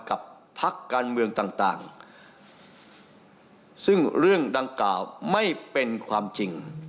กับภักดิ์การเมืองต่างซึ่งเรื่องดังกล่าวไม่เป็นความจริง